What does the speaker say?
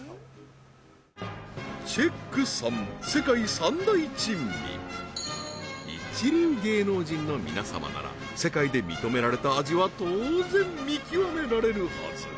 ３一流芸能人の皆様なら世界で認められた味は当然見極められるはず